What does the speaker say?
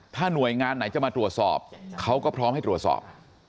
ถ้าหน่วยงานไหนจะมาตรวจสอบเขาก็พร้อมให้ตรวจสอบ